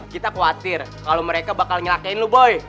kita khawatir kalau mereka bakal ngelakain lo boy